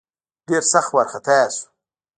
ډېر سخت وارخطا سو.